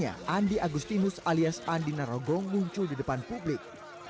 andi agustinus alias andi narogong muncul di depan publik